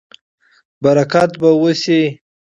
برکت به وشي